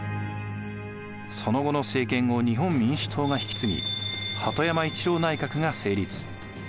その後の政権を日本民主党が引き継ぎ鳩山一郎内閣が成立。